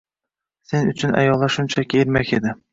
Sen uchun ayollar shunchaki ermak edi